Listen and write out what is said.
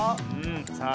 さあ